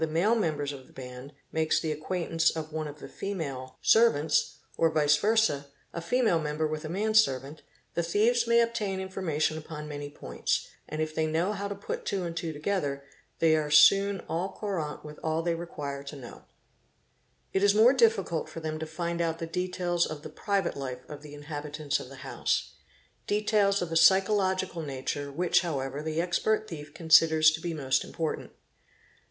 lale members of the band makes the acquaintance of one of the female 'servants or, vice versd, afemale member with a man servant—the thieves May obtain information upon many points, and if they know how to put wo and two together they are soon au courant with all they require to ow (1100), _ It is more difficult for them to find out the details of the private life he inhabitants of the house, details of a psychological nature which + ywever the expert thief considers to be most important.